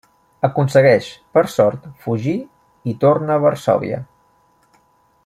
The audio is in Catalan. Aconsegueix, per sort, fugir i torna a Varsòvia.